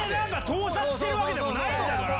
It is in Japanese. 盗撮してるわけでもないんだから。